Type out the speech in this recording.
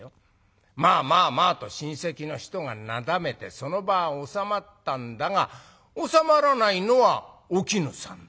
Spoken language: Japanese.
『まあまあまあ』と親戚の人がなだめてその場は収まったんだが収まらないのはお絹さんだ。